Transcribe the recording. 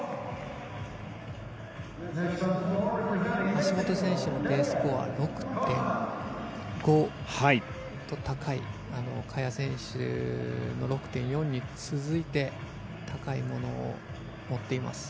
橋本選手のＤスコアは６．５と高い萱選手の６．４に続いて高いものを持っています。